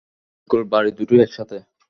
School, বাড়ি দুটোই একসাথে।